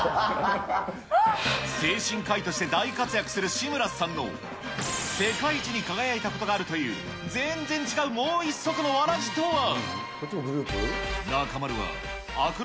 精神科医として大活躍する志村さんの世界一に輝いたことがあるという、全然違うもう一足のわらじとは。